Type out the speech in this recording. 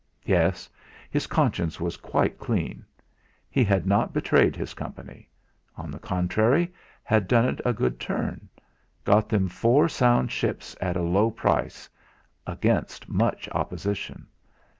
Yes! His conscience was quite clean. He had not betrayed his Company on the contrary, had done it a good turn, got them four sound ships at a low price against much opposition.